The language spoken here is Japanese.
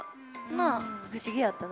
不思議やったな。